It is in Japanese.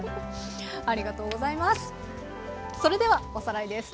ありがとうございます！